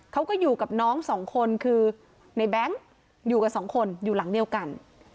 เขาก็อยู่กับน้องสองคนคือในแบงค์อยู่กันสองคนอยู่หลังเดียวกัน